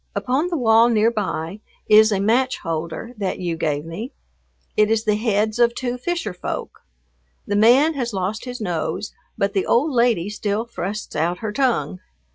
Upon the wall near by is a match holder that you gave me. It is the heads of two fisher folk. The man has lost his nose, but the old lady still thrusts out her tongue.